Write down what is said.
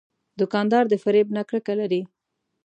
دوکاندار د فریب نه کرکه لري.